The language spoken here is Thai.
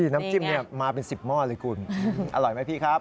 น้ำจิ้มมาเป็น๑๐หม้อเลยคุณอร่อยไหมพี่ครับ